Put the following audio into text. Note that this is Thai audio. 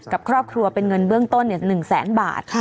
กับครอบครัวเป็นเงินเบื้องต้น๑แสนบาท